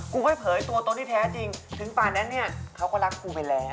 ถ้าเผยตัวโต๊ะที่แท้จริงถึงฝ่านแน่นี่เขาก็รักกูไปแล้ว